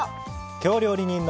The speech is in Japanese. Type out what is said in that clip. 京料理人の。